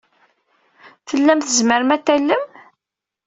Tellam tzemrem ad tallem?